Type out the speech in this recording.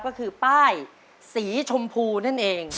ก็คือป้ายสีชมพูนั่นเอง